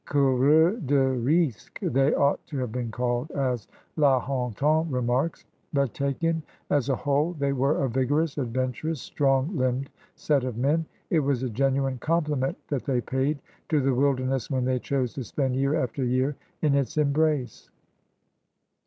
Coureurs de risqvss they ought to have been called, as La Hontan remarks. But taken as a whole they were a vigorous, adventur ous, strong limbed set of men. It was a genuine compliment that they paid to the wilderness when they chose to spend year after year in its embrace.